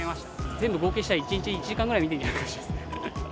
全部合計したら、１日１時間くらい見てるんじゃないですかね。